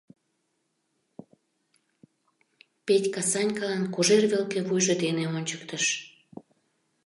Петька Санькалан кожер велке вуйжо дене ончыктыш: